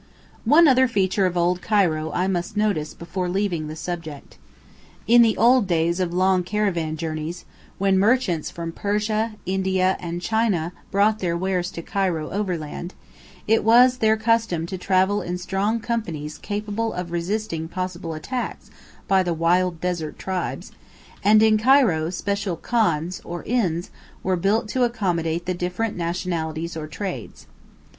One other feature of old Cairo I must notice before leaving the subject. In the old days of long caravan journeys, when merchants from Persia, India, and China brought their wares to Cairo overland, it was their custom to travel in strong companies capable of resisting possible attacks by the wild desert tribes, and in Cairo special "khans," or inns, were built to accommodate the different nationalities or trades.